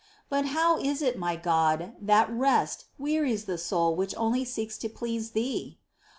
But how is it, my God, that rest wearies the soul which only seeks to please Thee